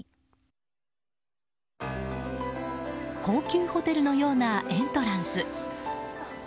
高級ホテルのようなエントランス。